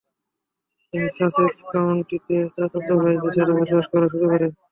তিনি সাসেক্স কাউন্টিতে চাচাতো ভাইদের সাথে বসবাস করা শুরু করেন।